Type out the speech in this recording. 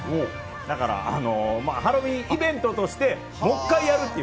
だからハロウィンイベントとしてもう一回やるという。